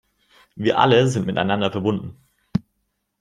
Wir alle sind miteinander verbunden!